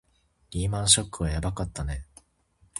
リーマンショックはやばかったね